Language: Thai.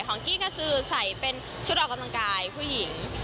กี้ก็คือใส่เป็นชุดออกกำลังกายผู้หญิง